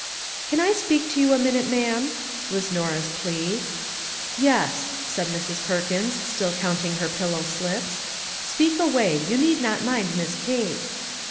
"Can I speak to you a minute, ma'am?" was Norah's plea. " Yes," said Mrs. Perkins, still counting her pillow slips ;" speak away ; you need not mind Miss Kate."